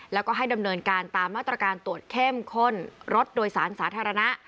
แล้วก็ให้ดำเนินการตามมาตรการตรวจเข้มข้นรถโดยสารสาธารณะ